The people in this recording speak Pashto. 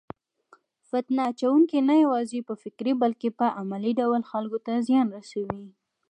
فتنه اچونکي نه یوازې په فکري بلکې په عملي ډول خلکو ته زیان رسوي.